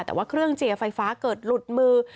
แต่ว่าเครื่องเจียร์ไฟฟ้าเกิดหลุดมือ